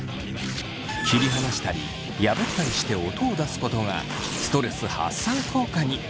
切り離したり破ったりして音を出すことがストレス発散効果に。